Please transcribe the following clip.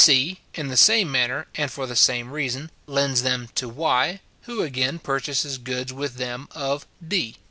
C, in the same manner, and for the same reason, lends them to Y, who again purchases goods with them of D.